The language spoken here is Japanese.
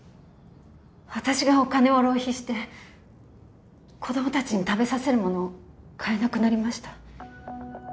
私がお金を浪費して子供たちに食べさせるもの買えなくなりました。